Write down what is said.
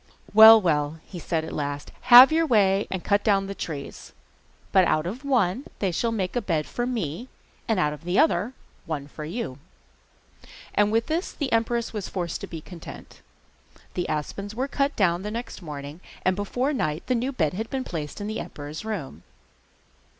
'Well, well,' he said at last, 'have your way and cut down the trees; but out of one they shall make a bed for me, and out of the other, one for you!' And with this the empress was forced to be content. The aspens were cut down next morning, and before night the new bed had been placed in the emperor's room.